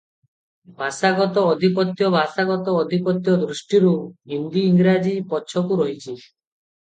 ଭାଷାଗତ ଆଧିପତ୍ୟ ଭାଷାଗତ ଆଧିପତ୍ୟ ଦୃଷ୍ଟିରୁ ହିନ୍ଦୀ ଇଂରାଜୀ ପଛକୁ ରହିଛି ।